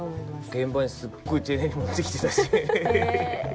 現場にすごい丁寧に持ってきてたし。